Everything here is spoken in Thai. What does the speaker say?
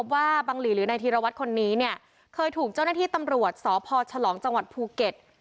ว่าบังหลีหรือนายธีรวัตรคนนี้เนี่ยเคยถูกเจ้าหน้าที่ตำรวจสพฉลองจังหวัดภูเก็ต